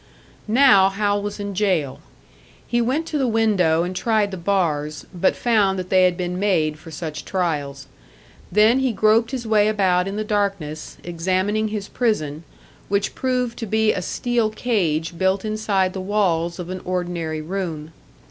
Now Hal was in jail. He went to the window and tried the bars but found that they had been made for such trials. Then he groped his way about in the darkness, examining his prison, which proved to be a steel cage built inside the walls of an ordinary room.